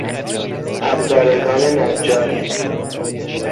ابزارگان نجاری